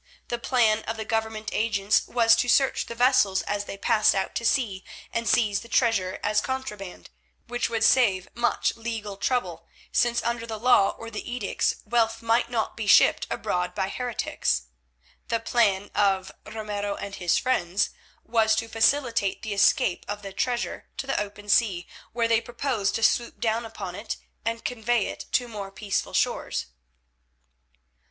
The plan of the Government agents was to search the vessels as they passed out to sea and seize the treasure as contraband, which would save much legal trouble, since under the law or the edicts wealth might not be shipped abroad by heretics. The plan of Ramiro and his friends was to facilitate the escape of the treasure to the open sea, where they proposed to swoop down upon it and convey it to more peaceful shores.